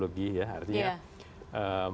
terutama tergolongan seriologi